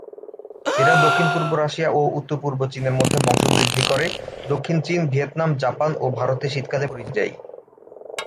এরা দক্ষিণ-পূর্ব রাশিয়া ও উত্তর-পূর্ব চীন-এর মধ্যে বংশবৃদ্ধি করে; দক্ষিণ চীন, ভিয়েতনাম, জাপান ও ভারতে শীতকালে পরিযায়ী।